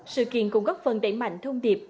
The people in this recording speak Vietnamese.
sự kiện cũng góp phần đẩy mạnh thông điệp